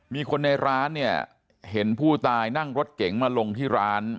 มีคนในร้านเนี่ยเห็นผู้ตายนั่งรถเก๋งมาลงที่ร้าน